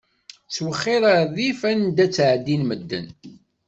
Ttwexxir ɣer rrif anda ttɛeddin medden.